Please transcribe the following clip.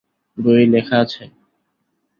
বইয়ে লেখা আছে?